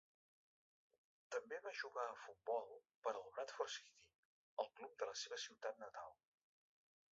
També va jugar a futbol per al Bradford City, el club de la seva ciutat natal.